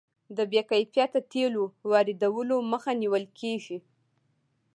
د بې کیفیته تیلو واردولو مخه نیول کیږي.